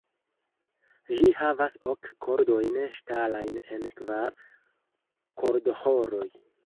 Ĝi havas ok kordojn ŝtalajn en kvar kordoĥoroj.